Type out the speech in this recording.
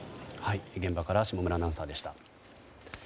現場から下村アナウンサーでした。